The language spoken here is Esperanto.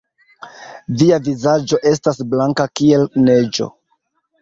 Via vizaĝo estas blanka kiel neĝo!